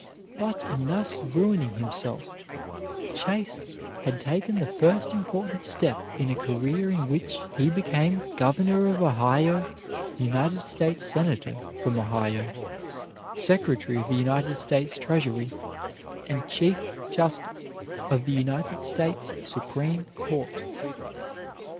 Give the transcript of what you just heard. But in thus ruining himself Chase had taken the first important step in a career in which he became Governor of Ohio, United States Senator from Ohio, Secretary of the United States Treasury, and Chief Justice of the United States Supreme Court.